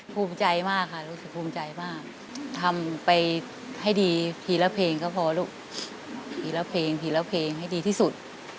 ภูมิใจมากค่ะรู้สึกภูมิใจมากทำไปให้ดีทีละเพลงก็พอลูกทีละเพลงทีละเพลงให้ดีที่สุด